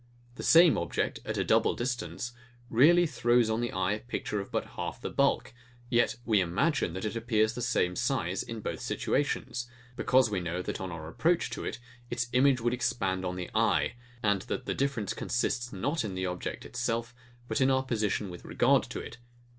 The same object, at a double distance, really throws on the eye a picture of but half the bulk; yet we imagine that it appears of the same size in both situations; because we know that on our approach to it, its image would expand on the eye, and that the difference consists not in the object itself, but in our position with regard to it.